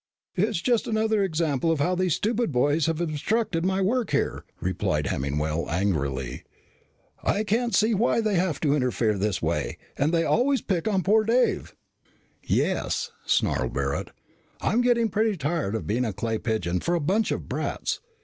"It's just another example of how these stupid boys have obstructed my work here," replied Hemmingwell angrily. "I can't see why they have to interfere this way. And they always pick on poor Dave." "Yes," snarled Barret. "I'm getting pretty tired of being a clay pigeon for a bunch of brats."